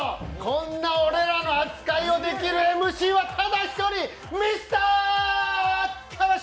そんな俺らの扱いをできるＭＣはただ一人、ミスタ川島！